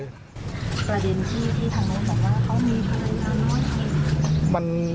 ประเด็นที่ทางโน้นบอกว่าเขามีภรรยาน้อย